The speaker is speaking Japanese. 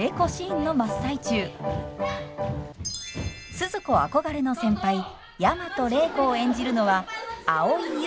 スズ子憧れの先輩大和礼子を演じるのは蒼井優さん。